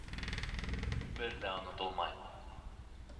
Бер ҙә онотолмай.